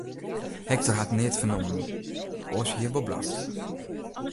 Hektor hat neat fernommen, oars hie er wol blaft.